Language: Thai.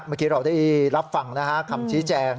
เมื่อกี้เราได้รับฟังคำชี้แจง